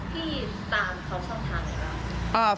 ตามเขาช่องทางไหนบ้าง